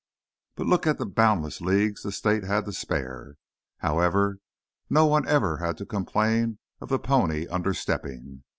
But look at the boundless leagues the state had to spare! However, no one ever had to complain of the pony under stepping.